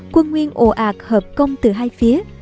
quân nguyên ồ ạc hợp công từ hai phía